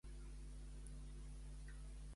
Per què va tenir una disputa amb Nisos?